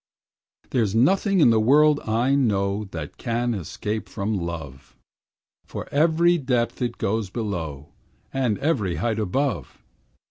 There's nothing in the world I know That can escape from love, For every depth it goes below, And every height above.